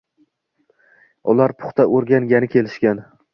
Ular puxta o‘rgangani kelishgan.